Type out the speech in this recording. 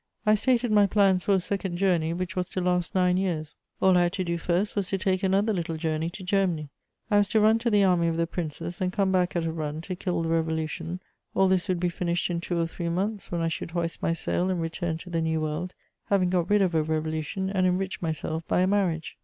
I stated my plans for a second journey, which was to last nine years; all I had to do first was to take another little journey to Germany: I was to run to the Army of the Princes, and come back at a run to kill the Revolution; all this would be finished in two or three months, when I should hoist my sail and return to the New World, having got rid of a revolution and enriched myself by a marriage.